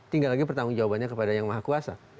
tinggal lagi pertanggung jawabannya kepada yang maha kuasa